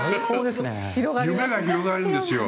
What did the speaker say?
夢が広がるんですよ。